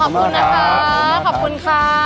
ขอบคุณนะคะขอบคุณค่ะ